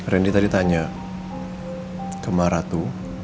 randy tadi tanya ke maratu